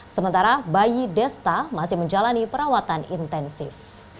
sementara bayi desta masih menjalani perawatan intensif